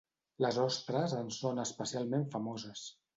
Les ostres en són especialment famoses.